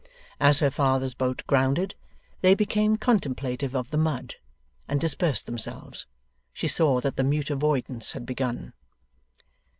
As her father's boat grounded, they became contemplative of the mud, and dispersed themselves. She saw that the mute avoidance had begun.